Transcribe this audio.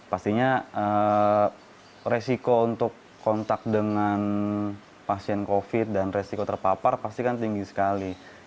pastinya resiko untuk kontak dengan pasien covid dan resiko terpapar pasti kan tinggi sekali